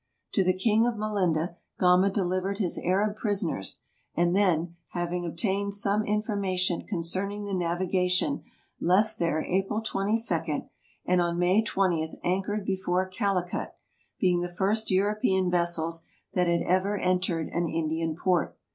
To the king of Melinda Gama delivered his Arab prisoners, and then, having obtained some informa tion concerning the navigation, left there April 22, and, on May 20, anchored before Calicut, being the first European vessels that had ever entered an Indian port.